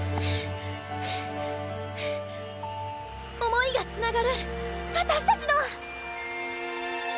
想いがつながる私たちの！